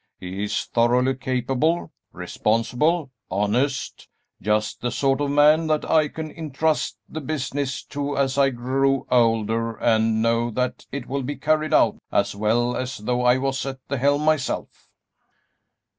He is thoroughly capable, responsible, honest, just the sort of man that I can intrust the business to as I grow older and know that it will be carried on as well as though I was at the helm myself."